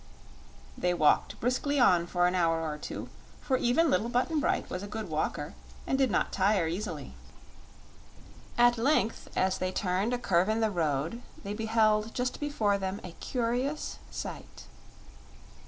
They walked briskly on for an hour or two, for even little Button Bright was a good walker and did not tire easily. At length as they turned a curve in the road they beheld just before them a curious sight.